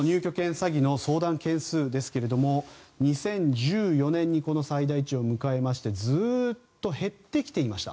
詐欺の相談件数ですが２０１４年にこの最大値を迎えましてずっと減ってきていました。